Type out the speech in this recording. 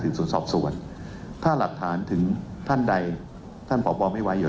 สวนสอบสวนถ้าหลักฐานถึงท่านใดท่านผอบอไม่ไว้อยู่